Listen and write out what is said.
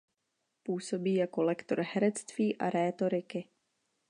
Působí jako lektor herectví a rétoriky.